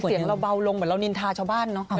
เสียงเราเบาลงเหมือนเรานินทาชาวบ้านเนอะ